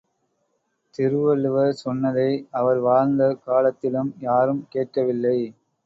திருவள்ளுவர் சொன்னதை அவர் வாழ்ந்த காலத்திலும் யாரும் கேட்கவில்லை!